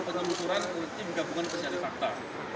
penyelenggaraan tim gabungan pencari fakta